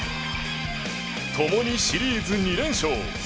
共にシリーズ２連勝。